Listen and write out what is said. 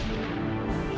tuh kan disuruh turun